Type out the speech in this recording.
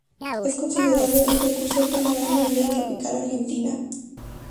Es considerado el precursor de la Gran Movida Tropical Argentina.